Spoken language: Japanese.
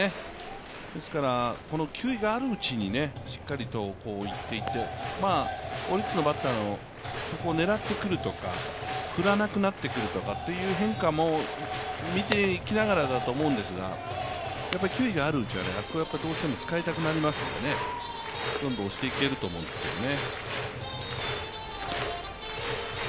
ですから球威があるうちに、しっかりと行っていって、オリックスのバッターを、そこを狙ってくるとか振らなくなってくるという変化も見ていきながらだと思うんですが球威があるうちは、あそこどうしても使いたくなりますからね、どんどん押していけると思うんですけどね。